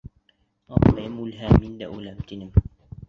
Апайым үлһә, мин дә үләм, тинем.